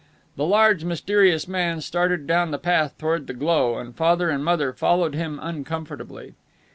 The large mysterious man started down the path toward the glow, and Father and Mother followed him uncomfortably.